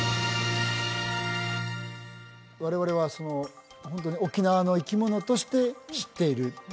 我々はホントに沖縄の生き物として知っている？